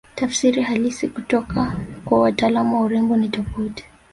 Tafsiri halisi kutoka kwa wataalamu wa urembo ni tofauti